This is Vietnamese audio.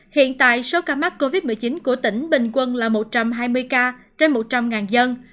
hiện tại số ca mắc covid một mươi chín của tỉnh bình quân là một trăm hai mươi ca trên một trăm linh dân